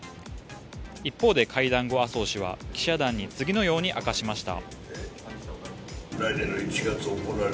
一方で会談後、麻生氏は記者団に次のように明かしました。